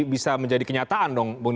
bisa menjadi kenyataan dong